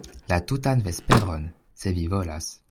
La tutan vesperon, se vi volas.